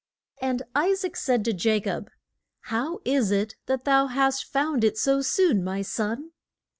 And I saac said to Ja cob, How is it that thou hast found it so soon, my son?